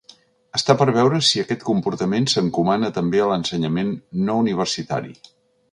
Està per veure si aquest comportament s’encomana també a l’ensenyament no-universitari.